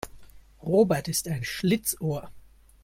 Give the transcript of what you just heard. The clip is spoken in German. Robert ist ein Schlitzohr.